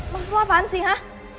maksud lo apaan sih hah